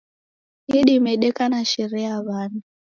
Idime deka na sherehe ya wana